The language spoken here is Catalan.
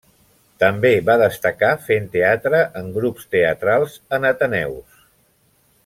També va destacar fent teatre en grups teatrals en ateneus.